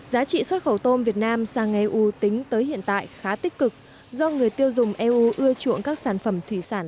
giá trị xuất khẩu tôm việt nam sang eu tính tới hiện tại khá tích cực do người tiêu dùng eu ưa chuộng các sản phẩm thủy sản giá trị gia tăng